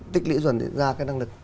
để có cái năng lực